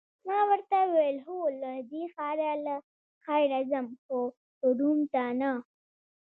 ما ورته وویل: هو، له دې ښاره له خیره ځم، خو روم ته نه.